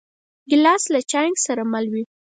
ګیلاس له چاینک سره مل وي.